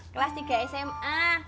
kelas tiga sma